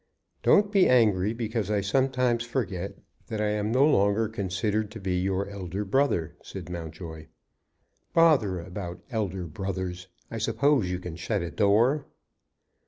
"Don't be angry because I sometimes forget that I am no longer considered to be your elder brother," said Mountjoy. "Bother about elder brothers! I suppose you can shut a door?"